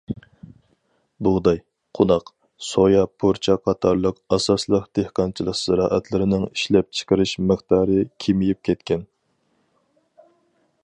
بۇغداي، قوناق، سويا پۇرچاق قاتارلىق ئاساسلىق دېھقانچىلىق زىرائەتلىرىنىڭ ئىشلەپچىقىرىش مىقدارى كېمىيىپ كەتكەن.